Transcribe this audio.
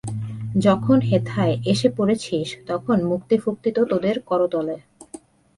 যখন হেথায় এসে পড়েছিস, তখন মুক্তি-ফুক্তি তো তোদের করতলে।